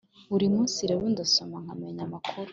Buri munsi rero ndasoma nkamenya amakuru